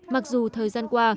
mặc dù thời gian qua